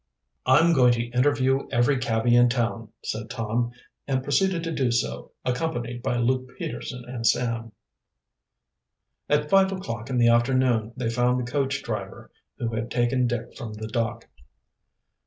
"I'm going to interview every cabby in town," said Tom, and proceeded to do so, accompanied by Luke Peterson and Sam. At five o'clock in the afternoon they found the coach driver who had taken Dick from the dock.